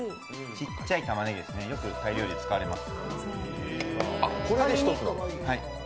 ちっちゃいたまねぎですね、よくタイ料理に使われます。